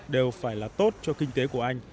đều phải là tốt cho kinh tế của anh